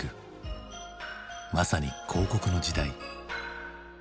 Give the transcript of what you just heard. まさに広告の時代。